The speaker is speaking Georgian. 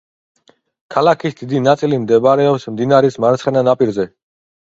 ქალაქის დიდი ნაწილი მდებარეობს მდინარის მარცხენა ნაპირზე.